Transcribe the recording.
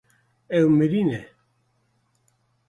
Ew mirî ne.